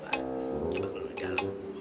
coba keluar ke dalam